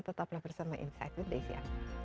tetaplah bersama insight with desia